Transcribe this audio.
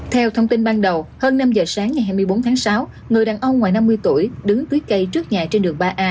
theo thông tin ban đầu hơn năm giờ sáng ngày hai mươi bốn tháng sáu người đàn ông ngoài năm mươi tuổi đứng dưới cây trước nhà trên đường ba a